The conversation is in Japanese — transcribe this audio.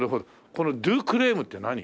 この「ドゥクレーム」って何？